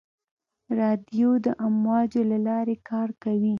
رادیو د امواجو له لارې کار کوي.